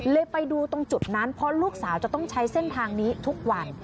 ไปดูตรงจุดนั้นเพราะลูกสาวจะต้องใช้เส้นทางนี้ทุกวัน